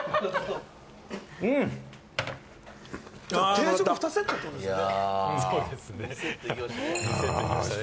定食２セットってことですよね？